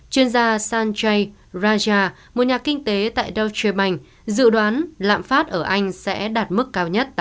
chuyên gia sanjay raja một nhà kinh tế tại deltsche bank dự đoán lạm phát ở anh sẽ đạt mức cao nhất tám mươi